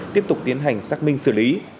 tiếp tục tiến hành xác minh xử lý